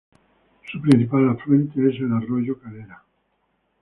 Su principal afluente es el arroyo Calera.